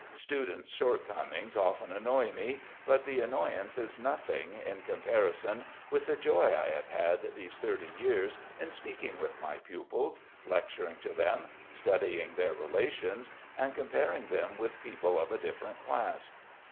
Students' shortcomings often annoy me, but the annoyance is nothing in comparison with the joy I have had these thirty years in speaking with my pupils, lecturing to them, studying their relations and comparing them with people of a different class.